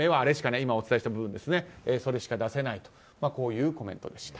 今お伝えした部分ですでそれしか出せないというコメントでした。